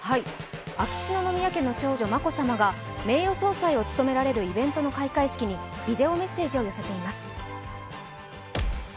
秋篠宮家の眞子さまが名誉総裁を務められるイベントの開会式にビデオメッセージを寄せています。